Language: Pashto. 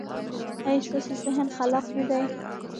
ایا ستاسو ذهن خلاق نه دی؟